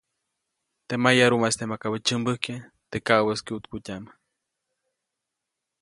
Teʼ mayarumaʼiste makabäʼ tsyämbäjkye teʼ kaʼubäʼis kyuʼtkutyaʼm.